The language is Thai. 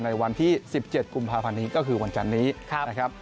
ในวันที่๑๗กุมภาพันธ์นี้ก็คือวันจันนี้นะครับ